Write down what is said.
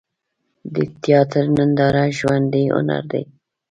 د تیاتر ننداره ژوندی هنر دی.